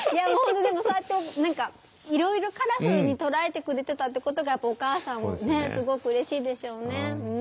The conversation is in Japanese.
でもそうやって何かいろいろカラフルに捉えてくれてたってことがお母さんもねすごくうれしいでしょうね。